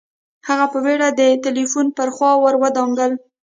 هغه په بېړه د ټلیفون پر خوا را ودانګل